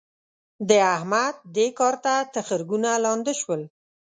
د احمد؛ دې کار ته تخرګونه لانده شول.